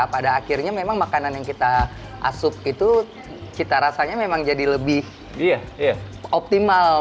pada akhirnya memang makanan yang kita asup itu cita rasanya memang jadi lebih optimal